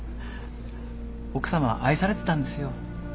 奥様は愛されてたんですよ。